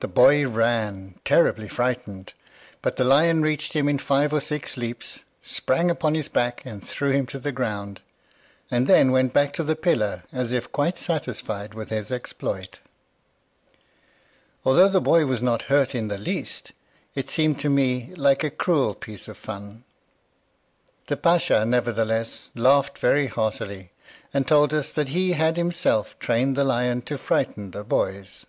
The boy ran, terribly frightened; but the lion reached him in five or six leaps, sprang upon his back and threw him down, and then went back to the pillar as if quite satisfied with his exploit. Although the boy was not hurt in the least, it seemed to me like a cruel piece of fun. The pacha, nevertheless, laughed very heartily, and told us that he had himself trained the lion to frighten the boys.